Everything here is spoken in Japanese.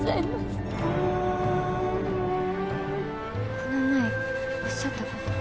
この前おっしゃったこと。